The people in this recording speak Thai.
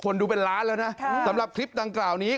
ดูเป็นล้านแล้วนะสำหรับคลิปดังกล่าวนี้